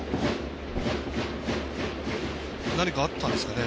何かあったんですかね